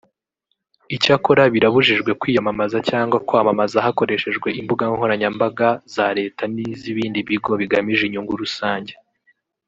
Icyakora birabujijwe kwiyamamaza cyangwa kwamamaza hakoreshejwe imbuga nkoranyambaga za Leta n’iz’ibindi bigo bigamije inyungu rusange